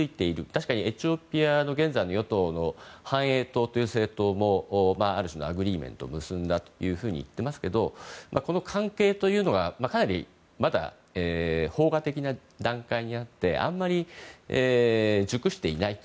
確かにエチオピアの現在の与党の繁栄党という政党もある種のアグリーメントを結んだといっていますがこの関係というのは、かなりまだ萌芽的な段階的にあってあまり熟していないと。